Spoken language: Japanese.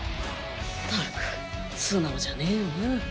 たく素直じゃねえよな。